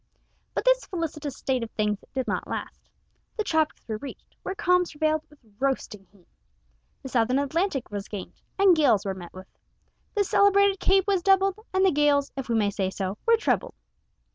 But this felicitous state of things did not last. The tropics were reached, where calms prevailed with roasting heat. The Southern Atlantic was gained, and gales were met with. The celebrated Cape was doubled, and the gales, if we may say so, were trebled.